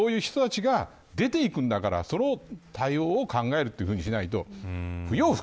そういう人たちが出ていくんだからその対応を考えるというふうにしないと。